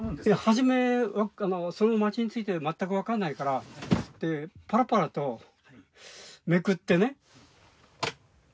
初めその町について全く分かんないからパラパラとめくってね。